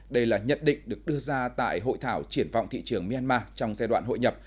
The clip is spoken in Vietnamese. đây là nhận định được đưa ra tại hội thảo triển vọng thị trường myanmar trong giai đoạn hội nhập